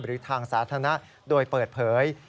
หรือทางสาธารณะโดยเปิดเผย